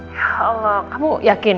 ya allah kamu yakin